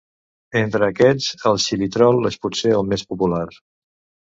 Entre aquests el xilitol és potser el més popular.